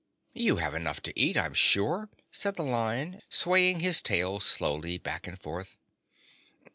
"You have enough to eat, I'm sure," said the Lion, swaying his tail slowly back and forth.